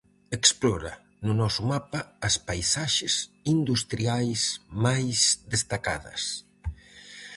Explora no noso mapa as paisaxes industriais máis destacadas.